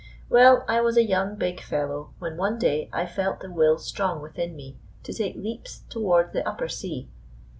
Well, I was a young, big fellow, when one day I felt the will strong within me to take leaps toward the upper sea.